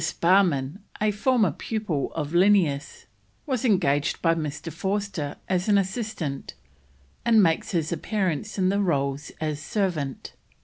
Sparrman, a former pupil of Linnaeus, was engaged by Mr. Forster as an assistant, and makes his appearance on the rolls as servant.